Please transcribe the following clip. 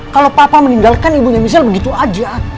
kalau papa meninggalkan ibunya misha begitu saja